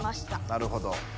なるほど。